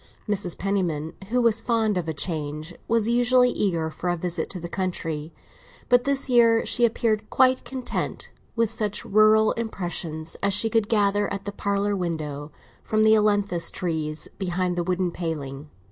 Mrs. Penniman, who was fond of a change, was usually eager for a visit to the country; but this year she appeared quite content with such rural impressions as she could gather, at the parlour window, from the ailantus trees behind the wooden paling.